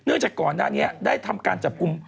จากก่อนหน้านี้ได้ทำการจับกลุ่ม